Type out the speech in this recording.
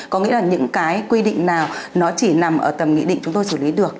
có nghĩa là những cái quy định nào nó chỉ nằm ở tầm nghị định chúng tôi xử lý được